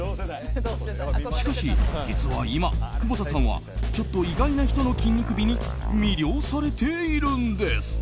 しかし、実は今久保田さんはちょっと意外な人の筋肉美に魅了されているんです。